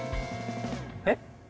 えっ？